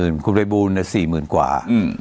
นะ๔๐๐๐๐คุณพระบูรณ์นะ๔๐๐๐๐กว่า